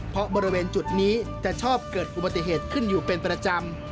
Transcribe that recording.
เพราะบริเวณจุดนี้จะชอบเกิดอุบัติเหตุขึ้นอยู่เป็นประจำ